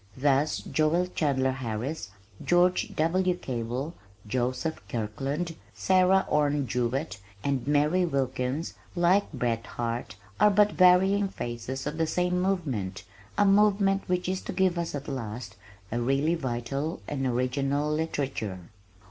Thus Joel Chandler Harris, George W. Cable, Joseph Kirkland, Sarah Orne Jewett, and Mary Wilkins, like Bret Harte, are but varying phases of the same movement, a movement which is to give us at last a really vital and original literature!"